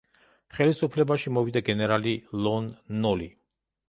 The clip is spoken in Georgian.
ხელისუფლებაში მოვიდა გენერალი ლონ ნოლი.